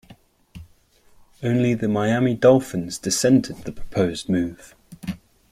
Only the Miami Dolphins dissented the proposed move.